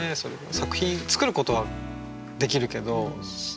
作品作ることはできるけどいつでも。